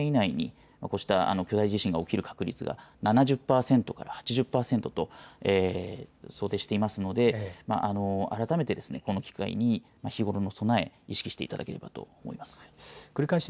ただ、政府の地震調査委員会は今後３０年以内にこうした巨大地震が起きる確率が７０％から８０％と想定していますので改めて、この機会に日頃の備え意識していただければと思います。